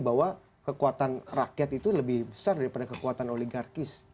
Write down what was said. bahwa kekuatan rakyat itu lebih besar daripada kekuatan oligarkis